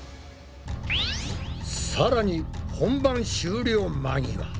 さらに本番終了間際。